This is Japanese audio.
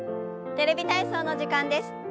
「テレビ体操」の時間です。